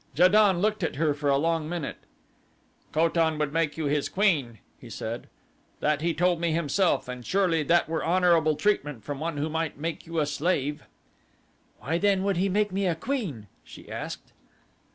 Ja don looked at her for a long minute. "Ko tan would make you his queen," he said. "That he told me himself and surely that were honorable treatment from one who might make you a slave." "Why, then, would he make me queen?" she asked.